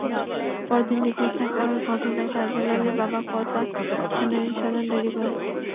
পরদিন নিখোঁজ থাকার ঘটনায় শাহজালালের বাবা কসবা থানায় সাধারণ ডায়েরি করেন।